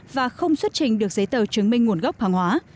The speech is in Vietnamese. và không xuất trình được giấy tờ chứng minh nguồn gốc hàng hóa